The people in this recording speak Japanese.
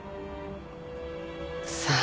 さあ。